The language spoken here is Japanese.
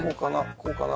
こうかな